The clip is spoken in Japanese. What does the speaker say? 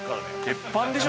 鉄板でしょ？